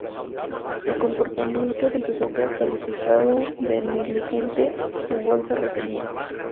El comportamiento del judoka calificado de "negligente" y su bolsa retenida.